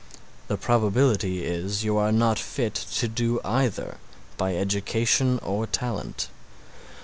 The probability is you are not fit to do either, by education or talent.